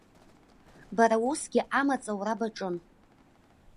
Бара усгьы амаҵ аура баҿын.